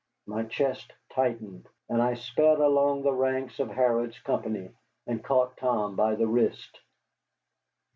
My chest tightened, and I sped along the ranks to Harrod's company and caught Tom by the wrist.